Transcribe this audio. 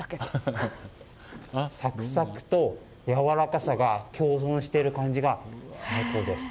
サクサクとやわらかさが共存してる感じが最高です。